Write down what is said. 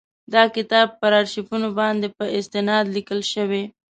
دا کتاب پر آرشیفونو باندي په استناد لیکل شوی.